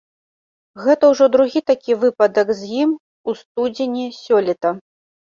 Гэта ўжо другі такі выпадак з ім у студзені сёлета.